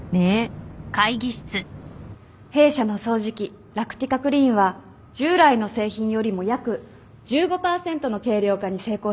弊社の掃除機ラクティカクリーンは従来の製品よりも約１５％の軽量化に成功しております。